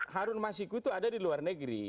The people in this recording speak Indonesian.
harun masiku itu ada di luar negeri